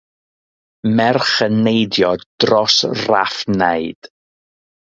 Merch yn neidio dros raff naid.